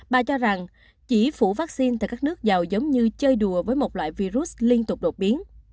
bà cho rằng chỉ phủ vaccine tại các nước giàu giống như chơi đùa với một loại virus liên tục đột biến